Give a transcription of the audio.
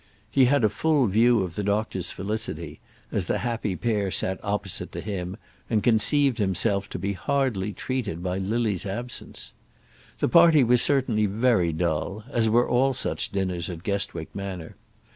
He had a full view of the doctor's felicity, as the happy pair sat opposite to him, and conceived himself to be hardly treated by Lily's absence. The party was certainly very dull, as were all such dinners at Guestwick Manor.